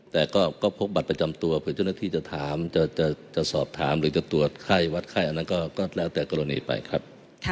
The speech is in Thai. แต่ก็พกบัตรประจำตัวเผื่อเจ้าหน้าที่จะถามจะสอบถามหรือจะตรวจไข้วัดไข้อันนั้นก็แล้วแต่กรณีไปครับ